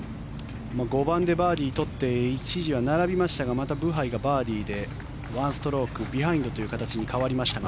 ５番でバーディーを取って一時は並びましたがまたブハイがバーディーで１ストロークビハインドという形に変わりました。